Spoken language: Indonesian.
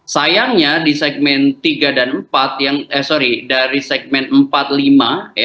sayangnya di segmen tiga dan empat yang eh sorry dari segmen empat lima